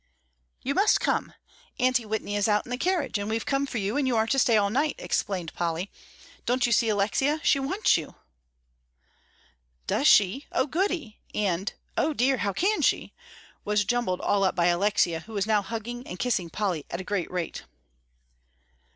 "You must come; Aunty Whitney is out in the carriage, and we've come for you, and you are to stay all night," explained Polly; "don't you see, Alexia, she wants you?" "Does she? Oh, goody," and, "O dear, how can she?" was jumbled all up by Alexia, who was now hugging and kissing Polly at a great rate.